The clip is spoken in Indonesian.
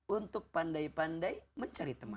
untuk pandai pandai mencari teman